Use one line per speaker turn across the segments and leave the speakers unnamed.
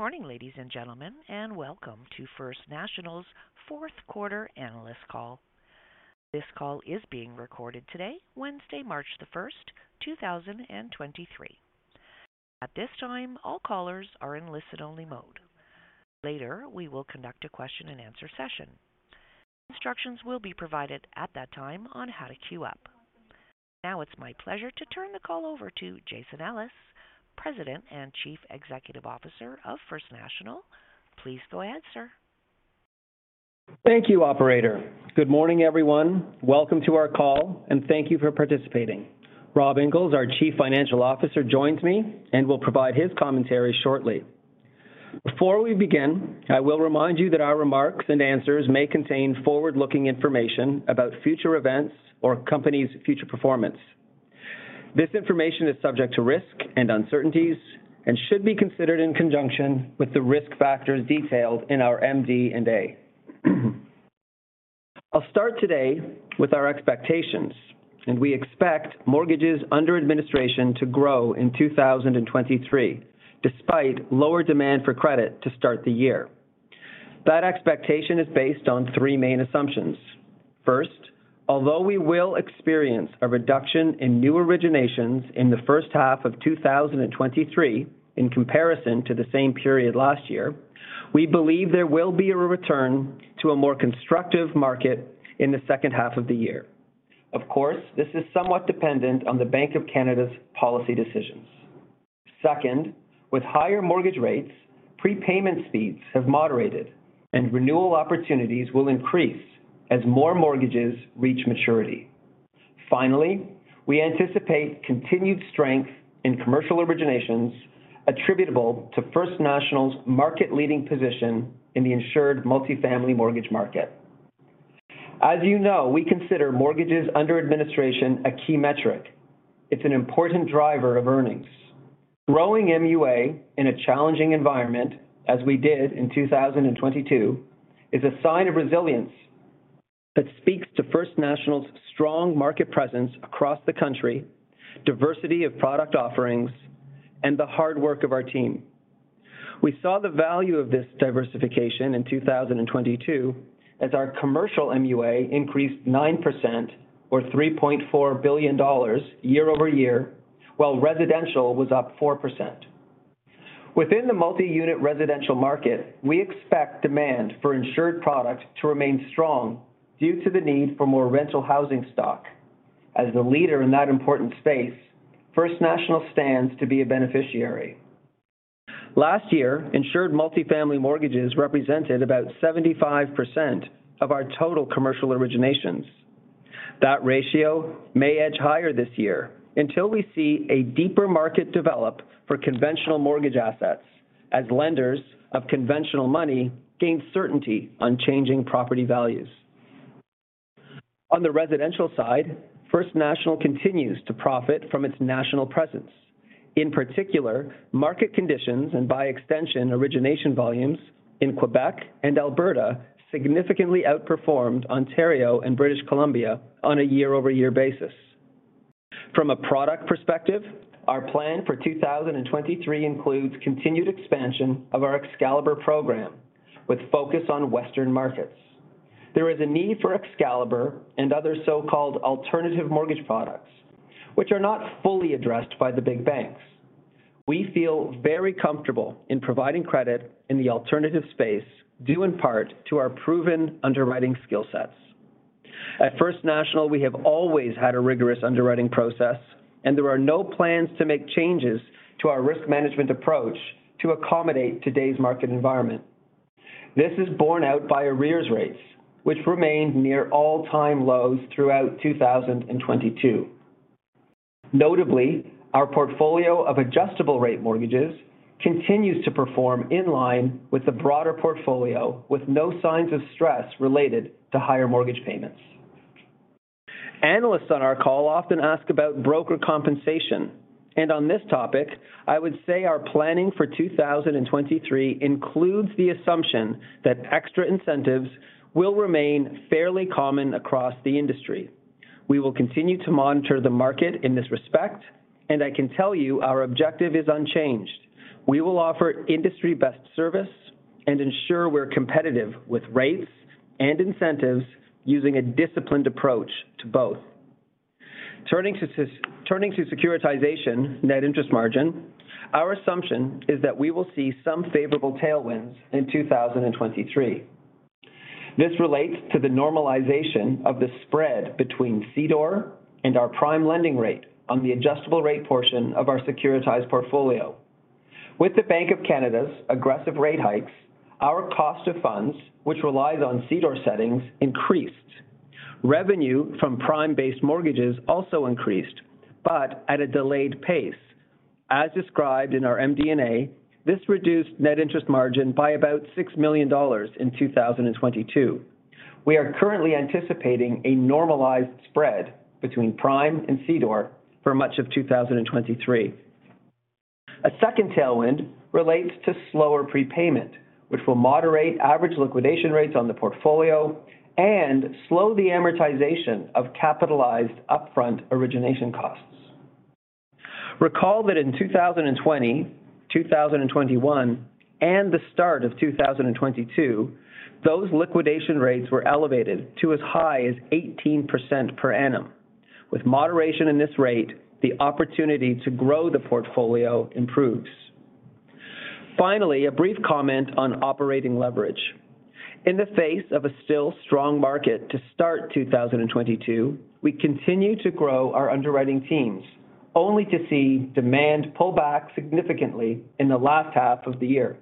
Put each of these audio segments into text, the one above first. Good morning, ladies and gentlemen, and welcome to First National's Q4 analyst call. This call is being recorded today, Wednesday, March 1st, 2023. At this time, all callers are in listen-only mode. Later, we will conduct a question-and-answer session. Instructions will be provided at that time on how to queue up. Now it's my pleasure to turn the call over to Jason Ellis, President and Chief Executive Officer of First National. Please go ahead, sir.
Thank you, operator. Good morning, everyone. Welcome to our call, and thank you for participating. Robert Inglis, our Chief Financial Officer, joins me and will provide his commentary shortly. Before we begin, I will remind you that our remarks and answers may contain forward-looking information about future events or company's future performance. This information is subject to risk and uncertainties and should be considered in conjunction with the risk factors detailed in our MD&A. I'll start today with our expectations, and we expect mortgages under administration to grow in 2023, despite lower demand for credit to start the year. That expectation is based on three main assumptions. First, although we will experience a reduction in new originations in the H1 of 2023 in comparison to the same period last year, we believe there will be a return to a more constructive market in the H2 of the year. Of course, this is somewhat dependent on the Bank of Canada's policy decisions. Second, with higher mortgage rates, prepayment speeds have moderated, and renewal opportunities will increase as more mortgages reach maturity. Finally, we anticipate continued strength in commercial originations attributable to First National's market-leading position in the insured multi-family mortgage market. As you know, we consider mortgages under administration a key metric. It's an important driver of earnings. Growing MUA in a challenging environment, as we did in 2022, is a sign of resilience that speaks to First National's strong market presence across the country, diversity of product offerings, and the hard work of our team. We saw the value of this diversification in 2022 as our commercial MUA increased 9% or 3.4 billion dollars year-over-year, while residential was up 4%. Within the multi-unit residential market, we expect demand for insured product to remain strong due to the need for more rental housing stock. As the leader in that important space, First National stands to be a beneficiary. Last year, insured multifamily mortgages represented about 75% of our total commercial originations. That ratio may edge higher this year until we see a deeper market develop for conventional mortgage assets as lenders of conventional money gain certainty on changing property values. On the residential side, First National continues to profit from its national presence. In particular, market conditions, and by extension, origination volumes in Quebec and Alberta significantly outperformed Ontario and British Columbia on a year-over-year basis. From a product perspective, our plan for 2023 includes continued expansion of our Excalibur program with focus on Western markets. There is a need for Excalibur and other so-called alternative mortgage products, which are not fully addressed by the big banks. We feel very comfortable in providing credit in the alternative space, due in part to our proven underwriting skill sets. At First National, we have always had a rigorous underwriting process. There are no plans to make changes to our risk management approach to accommodate today's market environment. This is borne out by arrears rates, which remained near all-time lows throughout 2022. Notably, our portfolio of adjustable-rate mortgages continues to perform in line with the broader portfolio, with no signs of stress related to higher mortgage payments. Analysts on our call often ask about broker compensation. On this topic, I would say our planning for 2023 includes the assumption that extra incentives will remain fairly common across the industry. We will continue to monitor the market in this respect. I can tell you our objective is unchanged. We will offer industry-best service and ensure we're competitive with rates and incentives using a disciplined approach to both. Turning to securitization net interest margin, our assumption is that we will see some favorable tailwinds in 2023. This relates to the normalization of the spread between CDOR and our prime lending rate on the adjustable rate portion of our securitized portfolio. With the Bank of Canada's aggressive rate hikes, our cost of funds, which relies on CDOR settings, increased. Revenue from prime-based mortgages also increased at a delayed pace. As described in our MD&A, this reduced net interest margin by about 6 million dollars in 2022. We are currently anticipating a normalized spread between prime and CDOR for much of 2023. A second tailwind relates to slower prepayment, which will moderate average liquidation rates on the portfolio and slow the amortization of capitalized upfront origination costs. Recall that in 2020, 2021, and the start of 2022, those liquidation rates were elevated to as high as 18% per annum. With moderation in this rate, the opportunity to grow the portfolio improves. A brief comment on operating leverage. In the face of a still strong market to start 2022, we continue to grow our underwriting teams, only to see demand pull back significantly in the last half of the year.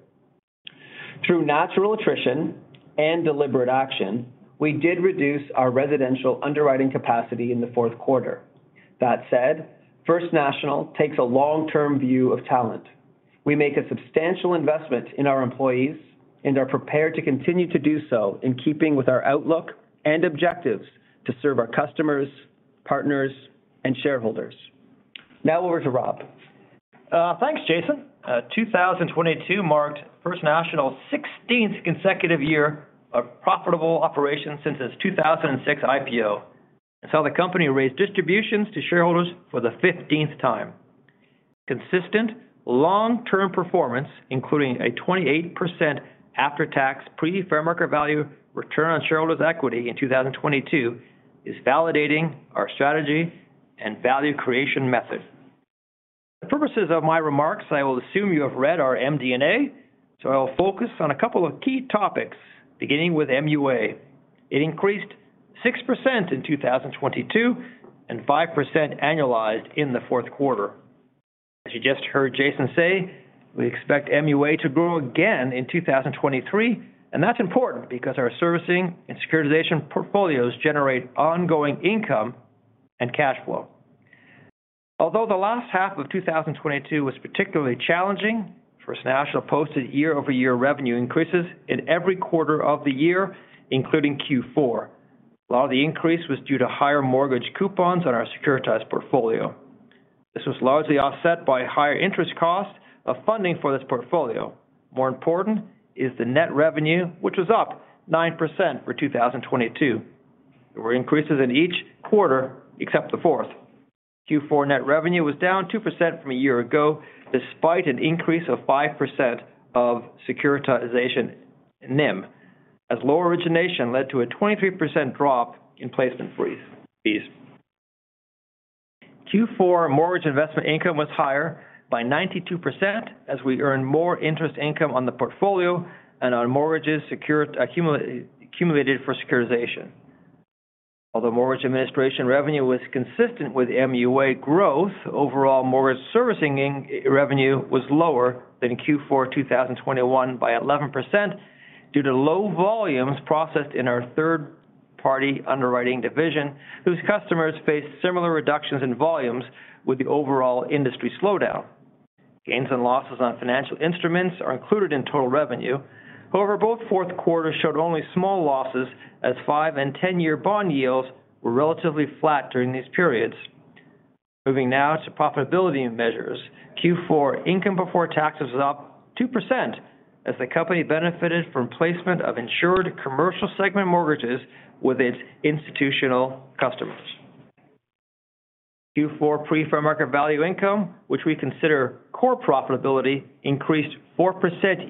Through natural attrition and deliberate action, we did reduce our residential underwriting capacity in the Q4. First National takes a long-term view of talent. We make a substantial investment in our employees and are prepared to continue to do so in keeping with our outlook and objectives to serve our customers, partners, and shareholders. Now over to Rob.
Thanks, Jason. 2022 marked First National's 16th consecutive year of profitable operations since its 2006 IPO. Saw the company raise distributions to shareholders for the 15th time. Consistent long-term performance, including a 28% after-tax pre-fair market value return on shareholders' equity in 2022, is validating our strategy and value creation method. For purposes of my remarks, I will assume you have read our MD&A, so I will focus on a couple of key topics, beginning with MUA. It increased 6% in 2022 and 5% annualized in the Q4. As you just heard Jason say, we expect MUA to grow again in 2023, and that's important because our servicing and securitization portfolios generate ongoing income and cash flow. Although the last half of 2022 was particularly challenging, First National posted year-over-year revenue increases in every quarter of the year, including Q4. A lot of the increase was due to higher mortgage coupons on our securitized portfolio. This was largely offset by higher interest costs of funding for this portfolio. More important is the net revenue, which was up 9% for 2022. There were increases in each quarter except the fourth. Q4 net revenue was down 2% from a year ago, despite an increase of 5% of securitization NIM, as lower origination led to a 23% drop in placement fees. Q4 mortgage investment income was higher by 92% as we earned more interest income on the portfolio and on mortgages secured accumulated for securitization. Although mortgage administration revenue was consistent with MUA growth, overall mortgage servicing revenue was lower than Q4 2021 by 11% due to low volumes processed in our third-party underwriting division, whose customers faced similar reductions in volumes with the overall industry slowdown. Gains and losses on financial instruments are included in total revenue. Both Q4s showed only small losses as five- and ten-year bond yields were relatively flat during these periods. Moving now to profitability measures. Q4 income before taxes was up 2% as the company benefited from placement of insured commercial segment mortgages with its institutional customers. Q4 pre-fair market value income, which we consider core profitability, increased 4%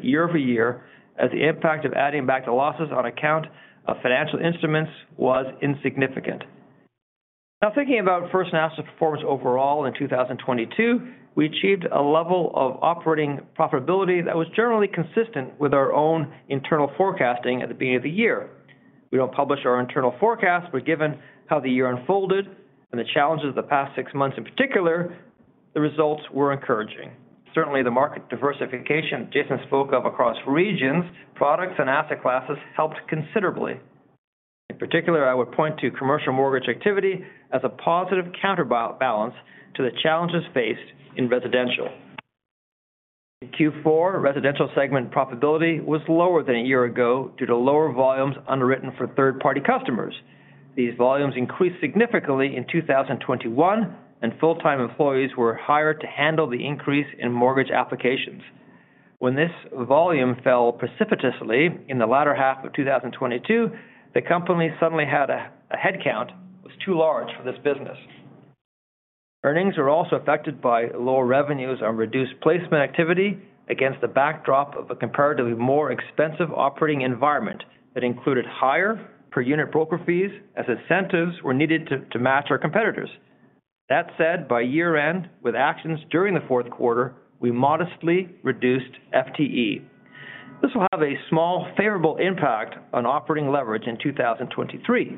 year-over-year as the impact of adding back the losses on account of financial instruments was insignificant. Thinking about First National's performance overall in 2022, we achieved a level of operating profitability that was generally consistent with our own internal forecasting at the beginning of the year. We don't publish our internal forecast, given how the year unfolded and the challenges of the past six months in particular, the results were encouraging. Certainly, the market diversification Jason spoke of across regions, products, and asset classes helped considerably. In particular, I would point to commercial mortgage activity as a positive counterbalance to the challenges faced in residential. In Q4, residential segment profitability was lower than a year ago due to lower volumes underwritten for third-party customers. These volumes increased significantly in 2021, full-time employees were hired to handle the increase in mortgage applications. When this volume fell precipitously in the latter half of 2022, the company suddenly had a headcount that was too large for this business. Earnings were also affected by lower revenues on reduced placement activity against the backdrop of a comparatively more expensive operating environment that included higher per-unit broker fees as incentives were needed to match our competitors. That said, by year-end, with actions during the Q4, we modestly reduced FTE. This will have a small favorable impact on operating leverage in 2023.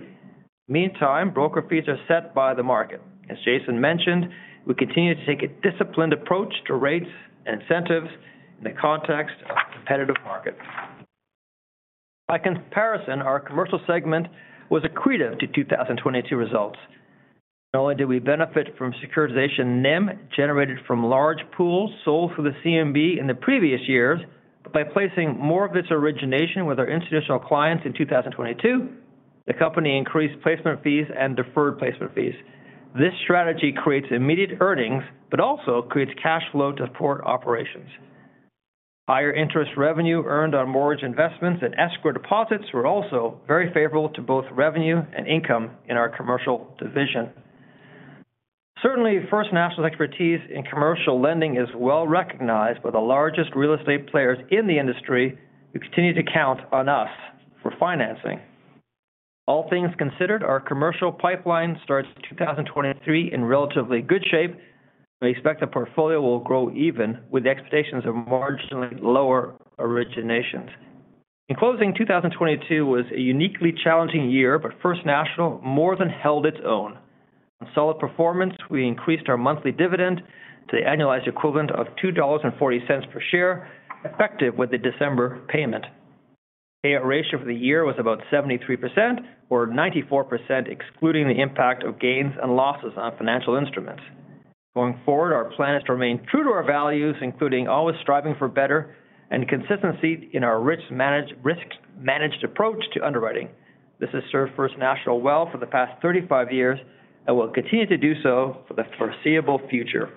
Meantime, broker fees are set by the market. As Jason mentioned, we continue to take a disciplined approach to rates and incentives in the context of a competitive market. By comparison, our commercial segment was accretive to 2022 results. Not only did we benefit from securitization NIM generated from large pools sold through the CMB in the previous years, but by placing more of its origination with our institutional clients in 2022, the company increased placement fees and deferred placement fees. This strategy creates immediate earnings but also creates cash flow to support operations. Higher interest revenue earned on mortgage investments and escrow deposits were also very favorable to both revenue and income in our commercial division. Certainly, First National expertise in commercial lending is well recognized by the largest real estate players in the industry who continue to count on us for financing. All things considered, our commercial pipeline starts 2023 in relatively good shape. We expect the portfolio will grow even with the expectations of marginally lower originations. In closing, 2022 was a uniquely challenging year, but First National more than held its own. On solid performance, we increased our monthly dividend to the annualized equivalent of 2.40 dollars per share, effective with the December payment. Payout ratio for the year was about 73% or 94%, excluding the impact of gains and losses on financial instruments. Going forward, our plan is to remain true to our values, including always striving for better and consistency in our risk managed approach to underwriting. This has served First National well for the past 35 years and will continue to do so for the foreseeable future.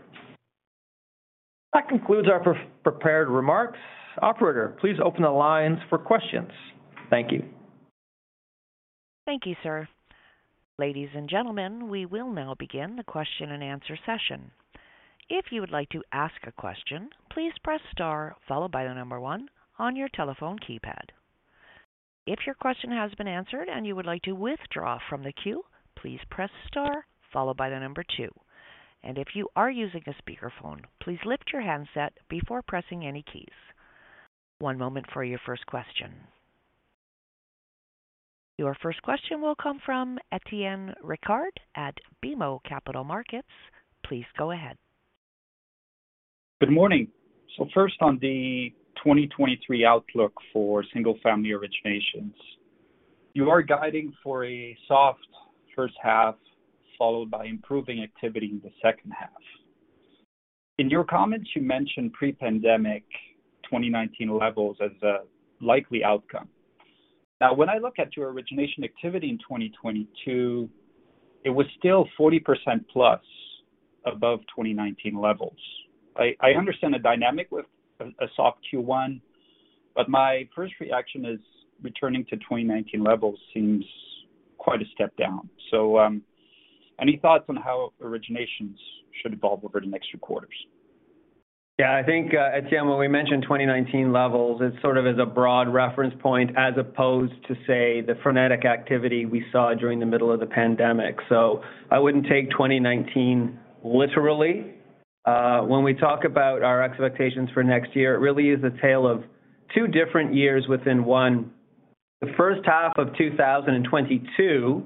That concludes our pre-prepared remarks. Operator, please open the lines for questions. Thank you.
Thank you, sir. Ladies and gentlemen, we will now begin the question and answer session. If you would like to ask a question, please press star followed by one on your telephone keypad. If your question has been answered and you would like to withdraw from the queue, please press star followed by two. If you are using a speakerphone, please lift your handset before pressing any keys. One moment for your first question. Your first question will come from Étienne Ricard at BMO Capital Markets. Please go ahead.
Good morning. First on the 2023 outlook for single-family originations, you are guiding for a soft H1, followed by improving activity in the H2. In your comments, you mentioned pre-pandemic 2019 levels as a likely outcome. When I look at your origination activity in 2022, it was still 40%+ above 2019 levels. I understand the dynamic with a soft Q1, but my first reaction is returning to 2019 levels seems quite a step down. Any thoughts on how originations should evolve over the next few quarters?
I think, Étienne, when we mentioned 2019 levels, it's sort of as a broad reference point as opposed to, say, the frenetic activity we saw during the middle of the pandemic. I wouldn't take 2019 literally. When we talk about our expectations for next year, it really is a tale of two different years within one. The H1 of 2022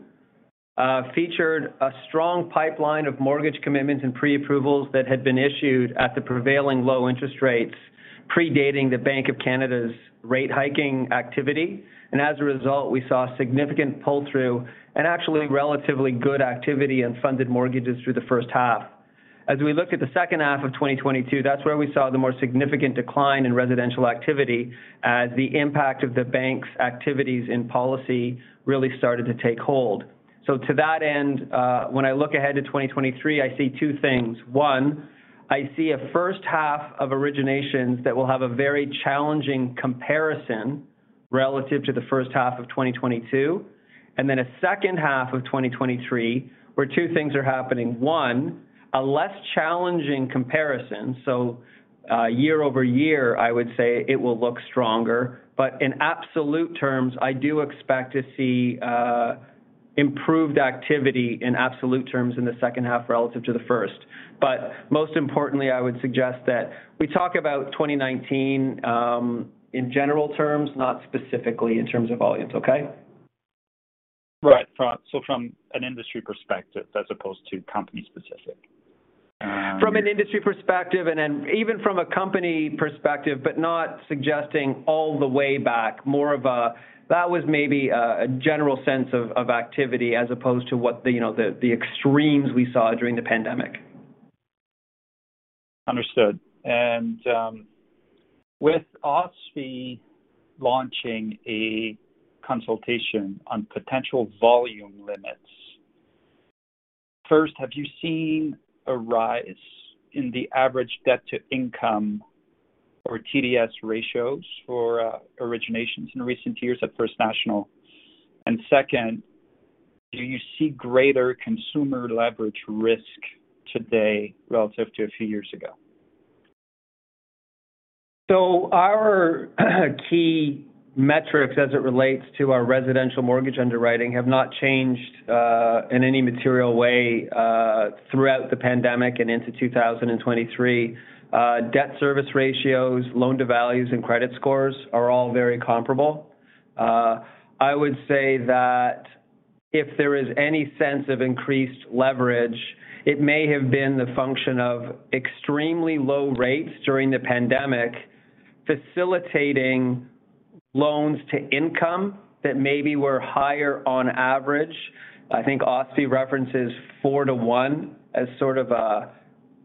featured a strong pipeline of mortgage commitments and pre-approvals that had been issued at the prevailing low interest rates predating the Bank of Canada's rate hiking activity. As a result, we saw significant pull-through and actually relatively good activity in funded mortgages through the H1. As we look at the H2 of 2022, that's where we saw the more significant decline in residential activity as the impact of the bank's activities in policy really started to take hold. To that end, when I look ahead to 2023, I see two things. One, I see a H1 of originations that will have a very challenging comparison relative to the H1 of 2022, and then a H2 of 2023 where two things are happening. One, a less challenging comparison. Year-over-year, I would say it will look stronger, but in absolute terms, I do expect to see improved activity in absolute terms in the H2 relative to the first. Most importantly, I would suggest that we talk about 2019 in general terms, not specifically in terms of volumes. Okay?
Right. from an industry perspective as opposed to company specific.
From an industry perspective and then even from a company perspective, but not suggesting all the way back. More of a that was maybe a general sense of activity as opposed to what the, you know, the extremes we saw during the pandemic.
Understood. With OSFI launching a consultation on potential volume limits, first, have you seen a rise in the average debt-to-income or TDS ratios for originations in recent years at First National? Second, do you see greater consumer leverage risk today relative to a few years ago?
Our key metrics as it relates to our residential mortgage underwriting have not changed in any material way throughout the pandemic and into 2023. Debt service ratios, loan to values and credit scores are all very comparable. I would say that if there is any sense of increased leverage, it may have been the function of extremely low rates during the pandemic, facilitating loans to income that maybe were higher on average. I think OSFI references 4:1 as sort of a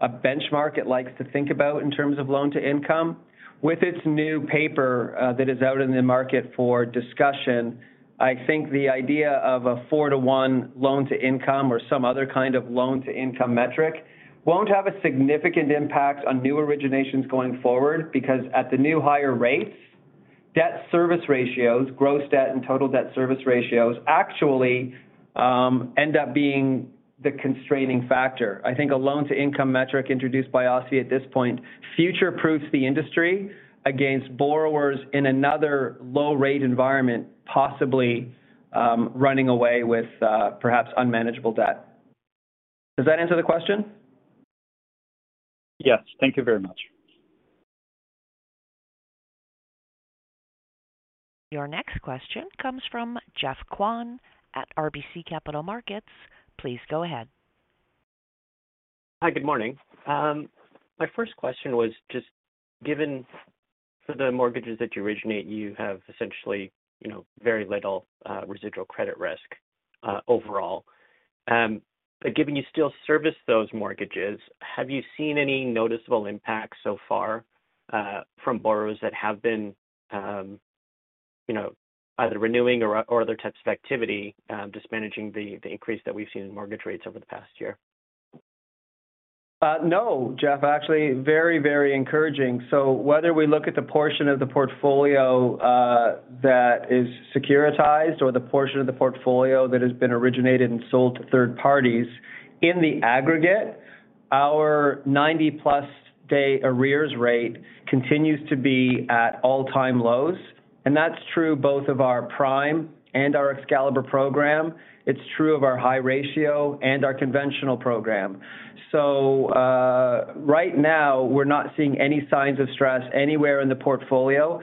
benchmark it likes to think about in terms of loan to income. With its new paper, that is out in the market for discussion, I think the idea of a 4:1 loan-to-income or some other kind of loan-to-income metric won't have a significant impact on new originations going forward, because at the new higher rates. Debt service ratios, gross debt and total debt service ratios actually end up being the constraining factor. I think a loan-to-income metric introduced by OSFI at this point future-proofs the industry against borrowers in another low rate environment, possibly running away with perhaps unmanageable debt. Does that answer the question?
Yes. Thank you very much.
Your next question comes from Geoff Kwan at RBC Capital Markets. Please go ahead.
Hi. Good morning. My first question was just given for the mortgages that you originate, you have essentially, you know, very little residual credit risk overall. Given you still service those mortgages, have you seen any noticeable impact so far from borrowers that have been, you know, either renewing or other types of activity, just managing the increase that we've seen in mortgage rates over the past year?
No, Jeff, actually very, very encouraging. Whether we look at the portion of the portfolio that is securitized or the portion of the portfolio that has been originated and sold to third parties, in the aggregate, our 90+ day arrears rate continues to be at all-time lows. That's true both of our Prime and our Excalibur program. It's true of our high ratio and our conventional program. Right now we're not seeing any signs of stress anywhere in the portfolio.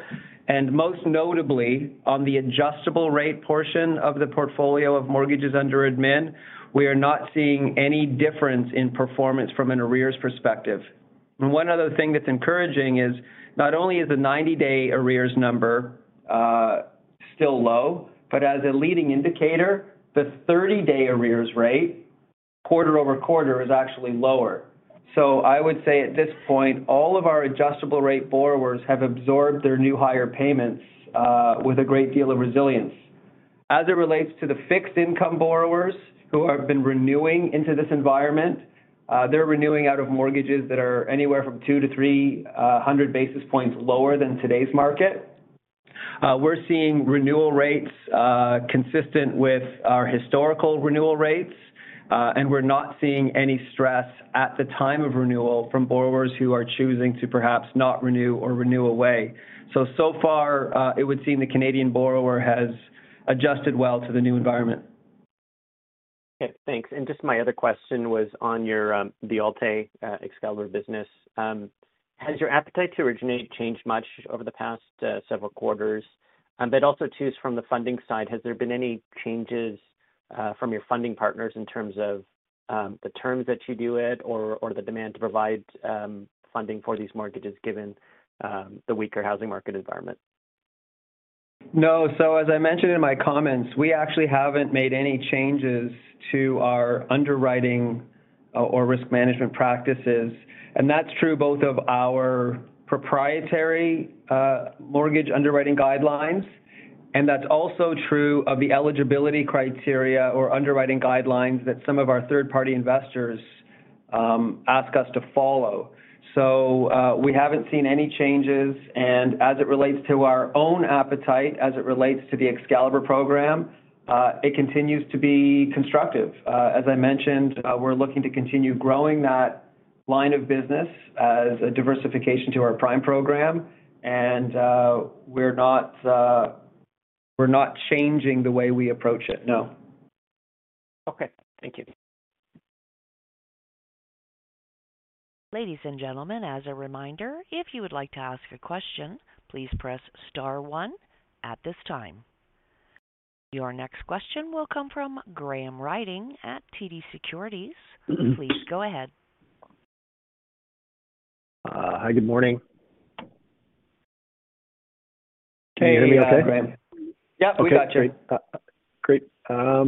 Most notably on the adjustable rate portion of the portfolio of mortgages under admin, we are not seeing any difference in performance from an arrears perspective. One other thing that's encouraging is not only is the 90-day arrears number still low, but as a leading indicator, the 30-day arrears rate quarter-over-quarter is actually lower. I would say at this point, all of our adjustable rate borrowers have absorbed their new higher payments with a great deal of resilience. As it relates to the fixed income borrowers who have been renewing into this environment, they're renewing out of mortgages that are anywhere from 200-300 basis points lower than today's market. We're seeing renewal rates consistent with our historical renewal rates, and we're not seeing any stress at the time of renewal from borrowers who are choosing to perhaps not renew or renew away. So far, it would seem the Canadian borrower has adjusted well to the new environment.
Okay, thanks. Just my other question was on your Alt-A Excalibur business. Has your appetite to originate changed much over the past several quarters? Also too from the funding side, has there been any changes from your funding partners in terms of the terms that you do it or the demand to provide funding for these mortgages given the weaker housing market environment?
As I mentioned in my comments, we actually haven't made any changes to our underwriting or risk management practices. That's true both of our proprietary mortgage underwriting guidelines, and that's also true of the eligibility criteria or underwriting guidelines that some of our third-party investors ask us to follow. We haven't seen any changes and as it relates to our own appetite, as it relates to the Excalibur program, it continues to be constructive. As I mentioned, we're looking to continue growing that line of business as a diversification to our Prime program, we're not changing the way we approach it, no.
Okay. Thank you.
Ladies and gentlemen, as a reminder, if you would like to ask a question, please press star one at this time. Your next question will come from Graham Ryding at TD Securities. Please go ahead.
Hi, good morning. Can you hear me okay?
Yeah, we got you.
Okay, great. Great.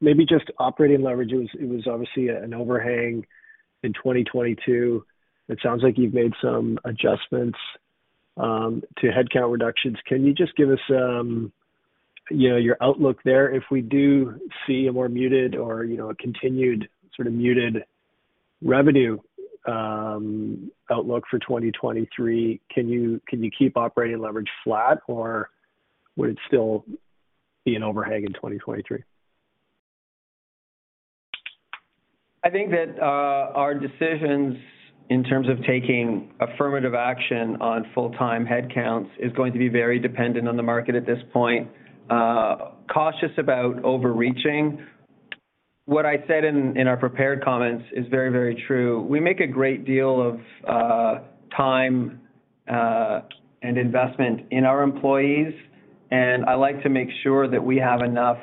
Maybe just operating leverage. It was obviously an overhang in 2022. It sounds like you've made some adjustments to headcount reductions. Can you just give us, you know, your outlook there if we do see a more muted or, you know, a continued sort of muted revenue outlook for 2023. Can you keep operating leverage flat, or would it still be an overhang in 2023?
I think that, our decisions in terms of taking affirmative action on full-time headcounts is going to be very dependent on the market at this point. Cautious about overreaching. What I said in our prepared comments is very, very true. We make a great deal of, time, and investment in our employees, and I like to make sure that we have enough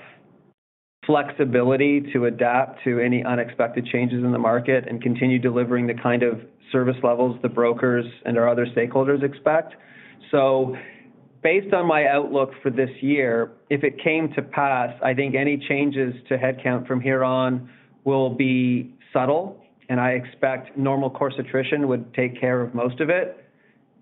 flexibility to adapt to any unexpected changes in the market and continue delivering the kind of service levels the brokers and our other stakeholders expect. Based on my outlook for this year, if it came to pass, I think any changes to headcount from here on will be subtle, and I expect normal course attrition would take care of most of it.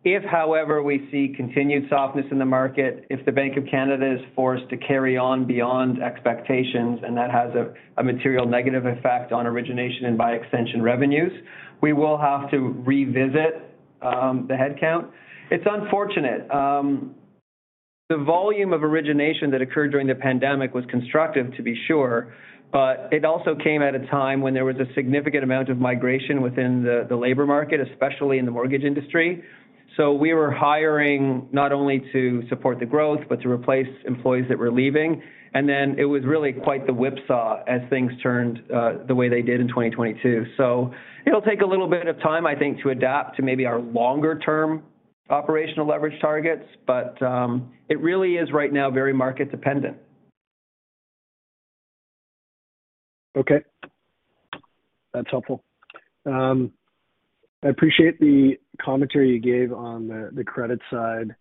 If however, we see continued softness in the market, if the Bank of Canada is forced to carry on beyond expectations, and that has a material negative effect on origination and by extension revenues, we will have to revisit the headcount. It's unfortunate. The volume of origination that occurred during the pandemic was constructive, to be sure, but it also came at a time when there was a significant amount of migration within the labor market, especially in the mortgage industry. We were hiring not only to support the growth but to replace employees that were leaving. It was really quite the whipsaw as things turned the way they did in 2022. It'll take a little bit of time, I think, to adapt to maybe our longer term operational leverage targets. It really is right now very market dependent.
Okay. That's helpful. I appreciate the commentary you gave on the credit side.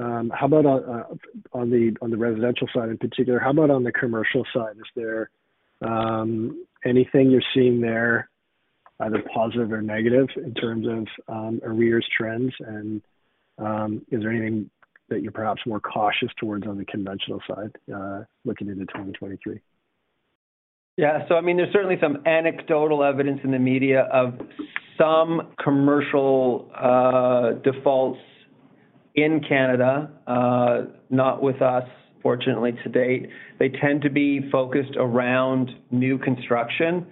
How about on the residential side in particular, how about on the commercial side? Is there anything you're seeing there, either positive or negative in terms of arrears trends? Is there anything that you're perhaps more cautious towards on the conventional side, looking into 2023?
Yeah. I mean, there's certainly some anecdotal evidence in the media of some commercial defaults in Canada, not with us, fortunately to date. They tend to be focused around new construction.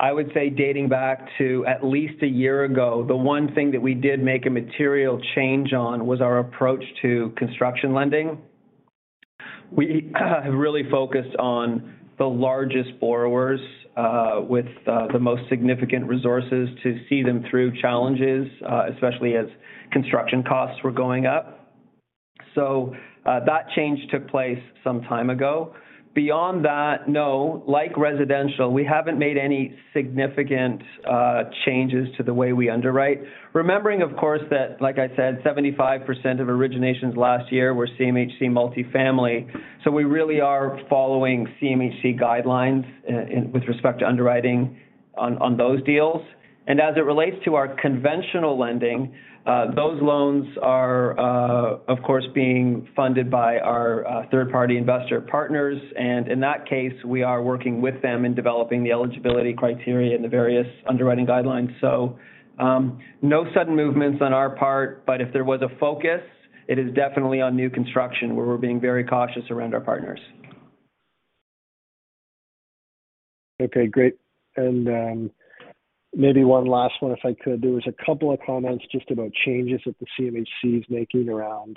I would say dating back to at least a year ago, the one thing that we did make a material change on was our approach to construction lending. We have really focused on the largest borrowers, with the most significant resources to see them through challenges, especially as construction costs were going up. That change took place some time ago. Beyond that, no. Like residential, we haven't made any significant changes to the way we underwrite. Remembering, of course, that, like I said, 75% of originations last year were CMHC multifamily, we really are following CMHC guidelines with respect to underwriting on those deals. As it relates to our conventional lending, those loans are, of course, being funded by our third-party investor partners, and in that case, we are working with them in developing the eligibility criteria and the various underwriting guidelines. No sudden movements on our part, but if there was a focus, it is definitely on new construction, where we're being very cautious around our partners.
Okay, great. Maybe one last one, if I could. There was a couple of comments just about changes that the CMHC is making around,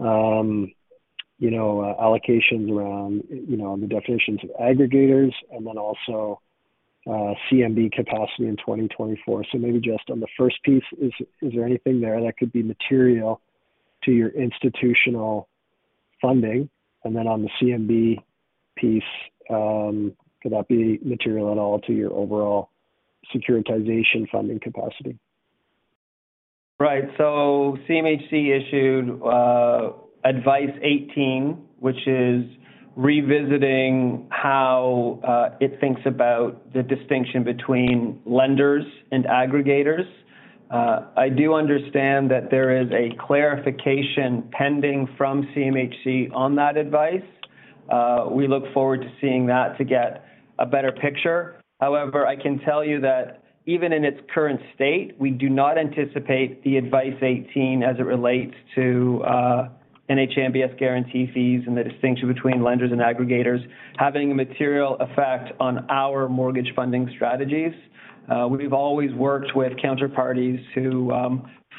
you know, allocations around, you know, on the definitions of aggregators and then also CMB capacity in 2024. Maybe just on the first piece, is there anything there that could be material to your institutional funding? On the CMB piece, could that be material at all to your overall securitization funding capacity?
Right. CMHC issued Advice No. 18, which is revisiting how it thinks about the distinction between lenders and aggregators. I do understand that there is a clarification pending from CMHC on that advice. We look forward to seeing that to get a better picture. However, I can tell you that even in its current state, we do not anticipate the Advice No. 18 as it relates to NHA MBS guarantee fees and the distinction between lenders and aggregators having a material effect on our mortgage funding strategies. We've always worked with counterparties who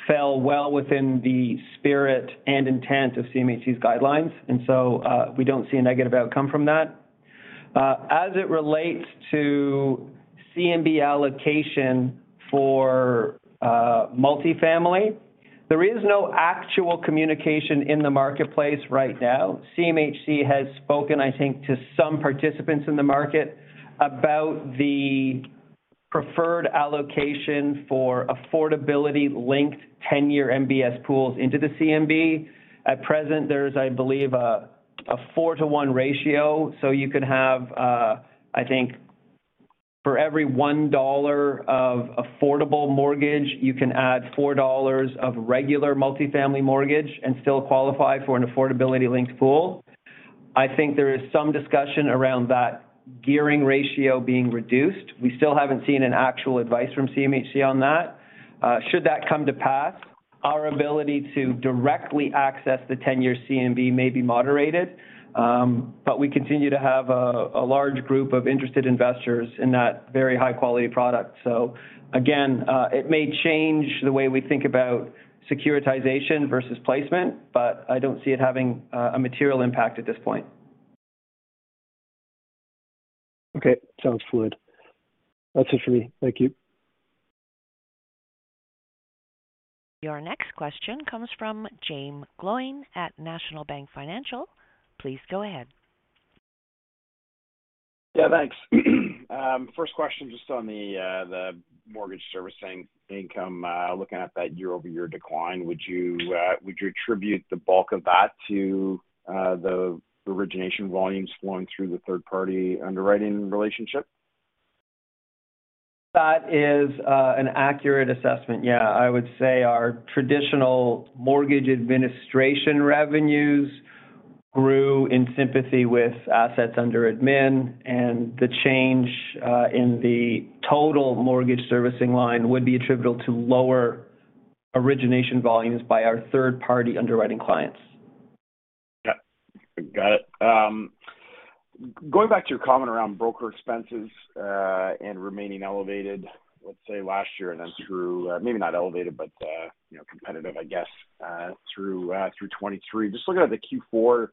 fell well within the spirit and intent of CMHC's guidelines, we don't see a negative outcome from that. As it relates to CMB allocation for multifamily, there is no actual communication in the marketplace right now. CMHC has spoken, I think, to some participants in the market about the preferred allocation for affordability-linked 10-year MBS pools into the CMB. At present, there is, I believe, a 4:1 ratio. You could have, I think for every $1 of affordable mortgage, you can add $4 of regular multifamily mortgage and still qualify for an affordability-linked pool. I think there is some discussion around that gearing ratio being reduced. We still haven't seen an actual advice from CMHC on that. Should that come to pass, our ability to directly access the 10-year CMB may be moderated, but we continue to have a large group of interested investors in that very high-quality product. Again, it may change the way we think about securitization versus placement, but I don't see it having a material impact at this point.
Okay. Sounds fluid. That's it for me. Thank you.
Your next question comes from Jaeme Gloyn at National Bank Financial. Please go ahead.
Thanks. First question, just on the mortgage servicing income, looking at that year-over-year decline, would you, would you attribute the bulk of that to, the origination volumes flowing through the third-party underwriting relationship?
That is an accurate assessment. Yeah. I would say our traditional mortgage administration revenues grew in sympathy with assets under admin and the change in the total mortgage servicing line would be attributable to lower origination volumes by our third-party underwriting clients.
Yeah. Got it. going back to your comment around broker expenses, and remaining elevated, let say, last year and then through, maybe not elevated, but, you know, competitive, I guess, through 2023. Just looking at the Q4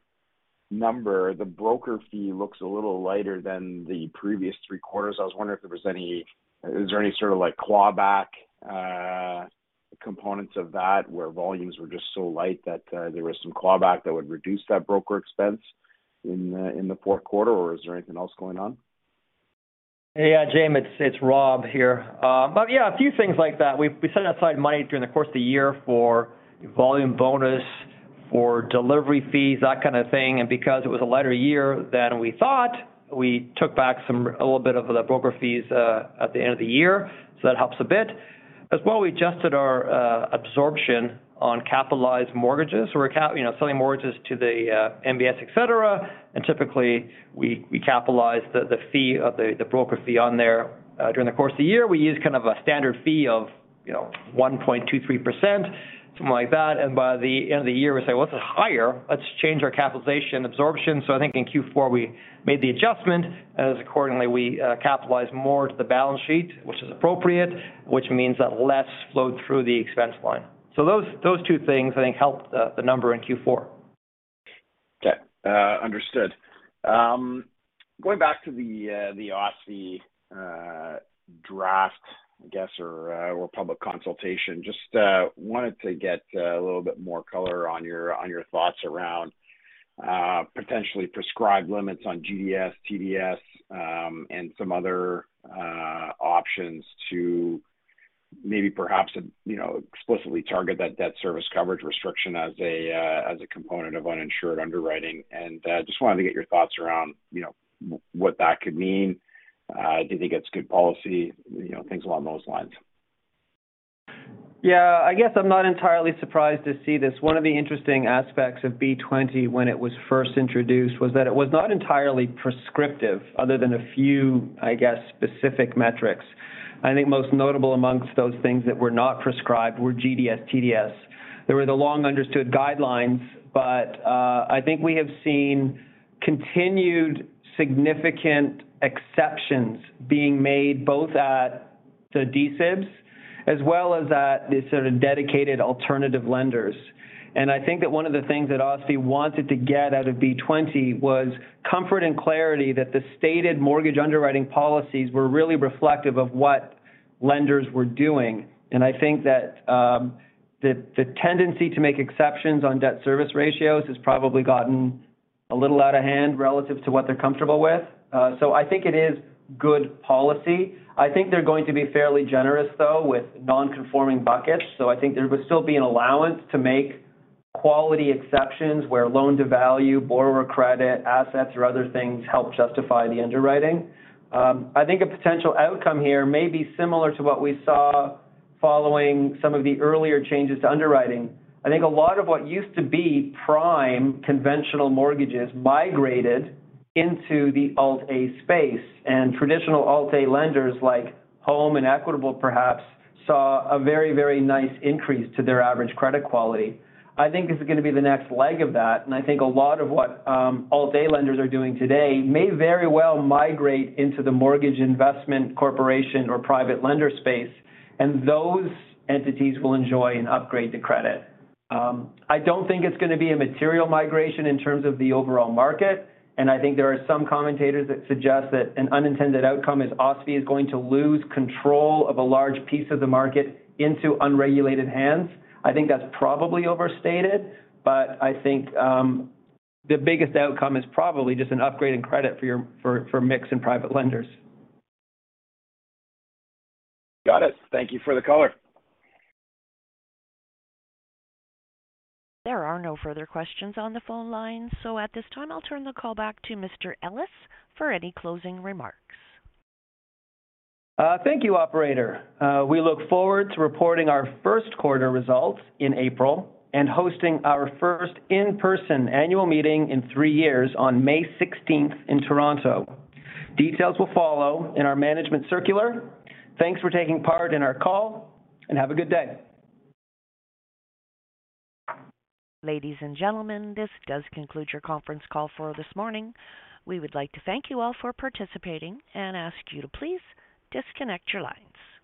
number, the broker fee looks a little lighter than the previous three quarters. Is there any sort of like clawback components of that where volumes were just so light that there was some clawback that would reduce that broker expense in the Q4? Or is there anything else going on?
Yeah, James, it's Rob here. Yeah, a few things like that. We set aside money during the course of the year for volume bonus, for delivery fees, that kind of thing. Because it was a lighter year than we thought, we took back a little bit of the broker fees at the end of the year. That helps a bit. As well, we adjusted our absorption on capitalized mortgages. We're selling mortgages to the MBS, et cetera. Typically, we capitalize the fee of the broker fee on there during the course of the year. We use kind of a standard fee of, you know, 1.23%, something like that. By the end of the year, we say, "Well, it's higher.
Let's change our capitalization absorption." I think in Q4, we made the adjustment, and accordingly, we capitalize more to the balance sheet, which is appropriate, which means that less flowed through the expense line. Those two things, I think, helped the number in Q4.
Okay. Understood. Going back to the OSFI draft, I guess, or public consultation, just wanted to get a little bit more color on your thoughts around potentially prescribed limits on GDS, TDS, and some other options to maybe perhaps, you know, explicitly target that debt service coverage restriction as a component of uninsured underwriting. Just wanted to get your thoughts around, you know, what that could mean. Do you think it's good policy? You know, things along those lines.
I guess I'm not entirely surprised to see this. One of the interesting aspects of B-20 when it was first introduced was that it was not entirely prescriptive other than a few, I guess, specific metrics. I think most notable amongst those things that were not prescribed were GDS, TDS. They were the long understood guidelines, I think we have seen continued significant exceptions being made both at the D-SIBs as well as at the sort of dedicated alternative lenders. I think that one of the things that OSFI wanted to get out of B-20 was comfort and clarity that the stated mortgage underwriting policies were really reflective of what lenders were doing. I think that the tendency to make exceptions on debt service ratios has probably gotten a little out of hand relative to what they're comfortable with. I think it is good policy. I think they're going to be fairly generous, though, with non-conforming buckets. I think there would still be an allowance to make quality exceptions where loan-to-value, borrower credit, assets, or other things help justify the underwriting. I think a potential outcome here may be similar to what we saw following some of the earlier changes to underwriting. I think a lot of what used to be prime conventional mortgages migrated into the Alt-A space, and traditional Alt-A lenders like Home and Equitable perhaps saw a very, very nice increase to their average credit quality. I think this is going to be the next leg of that, and I think a lot of what Alt-A lenders are doing today may very well migrate into the Mortgage Investment Corporation or private lender space, and those entities will enjoy an upgrade to credit. I don't think it's going to be a material migration in terms of the overall market. I think there are some commentators that suggest that an unintended outcome is OSFI is going to lose control of a large piece of the market into unregulated hands. I think that's probably overstated. I think, the biggest outcome is probably just an upgrade in credit for mix and private lenders.
Got it. Thank you for the color.
There are no further questions on the phone line. At this time, I'll turn the call back to Mr. Ellis for any closing remarks.
Thank you, operator. We look forward to reporting our first quarter results in April and hosting our first in-person annual meeting in three years on May 16th in Toronto. Details will follow in our management circular. Thanks for taking part in our call, and have a good day.
Ladies and gentlemen, this does conclude your conference call for this morning. We would like to thank you all for participating and ask you to please disconnect your lines.